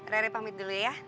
rere pamit dulu ya